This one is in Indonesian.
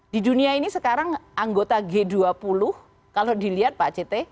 di dunia ini sekarang anggota g dua puluh kalau dilihat pak cete